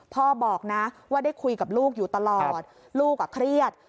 พ่อบอกนะว่าได้คุยกับลูกอยู่ตลอดลูกเครียด